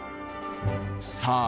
さあ